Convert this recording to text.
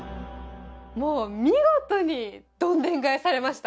もう見事にどんでん返されました！